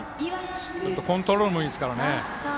コントロールもいいですからね。